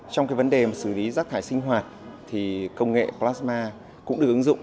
trong cái vấn đề xử lý rắc thải sinh hoạt thì công nghệ plasma cũng được ứng dụng